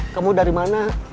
kamu dari mana